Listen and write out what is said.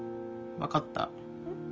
分かった。